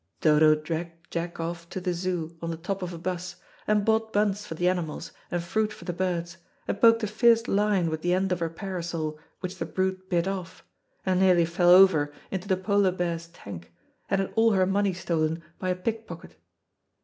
Dodo dragged Jack off to the Zoo, on the top of a bus, and bought buns for the animals and fruit for the birds, and poked a fierce lion with the end of her parasol, which the brute bit off, and nearly fell over into the polar bear's tank, and had all her money stolen by a pickpocket.